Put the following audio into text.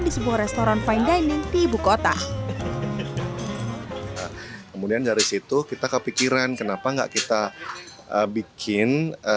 di sebuah restoran fine dining di ibukota kemudian dari situ kita kepikiran kenapa enggak kita bikin